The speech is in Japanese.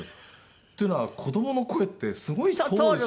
っていうのは子どもの声ってすごい通るし。